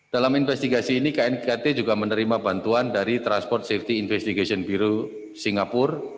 dalam investigasi ini knkt juga menerima bantuan dari transport safety investigation biro singapura